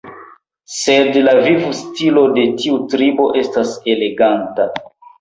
Sed la vivstilo de tiu tribo estas eleganta.